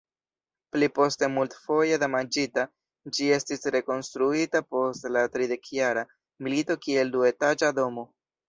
Pli poste multfoje damaĝita, ĝi estis rekonstruita post la Tridekjara Milito kiel duetaĝa domo.